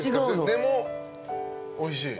でもおいしい？